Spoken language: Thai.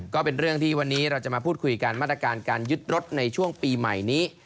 ก็เป็นเรื่องที่วันนี้เราจะมาพูดคุยกันมาตรการการยึดรถในช่วงปีใหม่นี้